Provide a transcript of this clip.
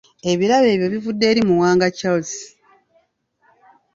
Ebirabo ebyo bivudde eri Muwanga Charles